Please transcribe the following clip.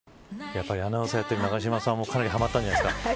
やっぱりアナウンサーやってる永島さんもかなりはまったんじゃないですか。